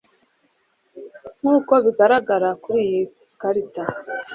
nk uko bigaragara kuri iyi karita